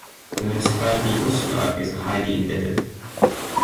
The municipality Uslar is highly indebted.